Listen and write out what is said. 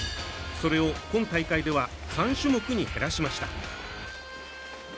それを今大会では３種目に減らしました。